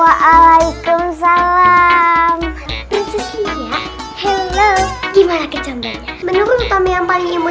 waalaikumsalam prinsesnya hello gimana kecambahnya menurut utami yang paling imut